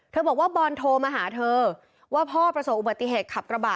บอกว่าบอลโทรมาหาเธอว่าพ่อประสบอุบัติเหตุขับกระบะ